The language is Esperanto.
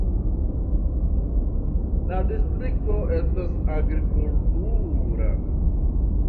La distrikto estas agrikultura.